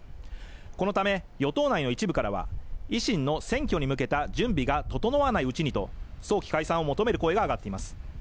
このため、与党内の一部からは、維新の選挙に向けた準備が整わないうちにと早期解散を求める声が上がっています。